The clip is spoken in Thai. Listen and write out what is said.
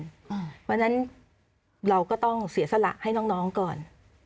เพราะฉะนั้นเราก็ต้องเสียสละให้น้องก่อน